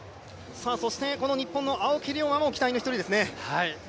そして日本の青木涼真も期待の一人ですね。